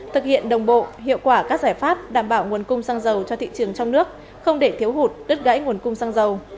thực hiện đồng bộ hiệu quả các giải pháp đảm bảo nguồn cung xăng dầu cho thị trường trong nước không để thiếu hụt đứt gãy nguồn cung xăng dầu